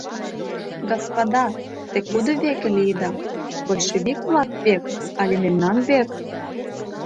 Господа, те кудо веке лийыда: большевик-влак век, але мемнан век?